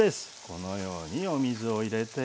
このようにお水を入れて。